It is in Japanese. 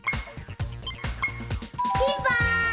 ピンポーン！